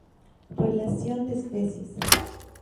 Relación de especies